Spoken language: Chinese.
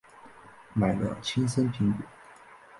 买了青森苹果